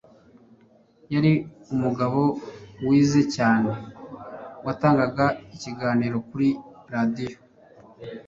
yari umugabo wize cyane watangaga ikiganiro kuri radiyo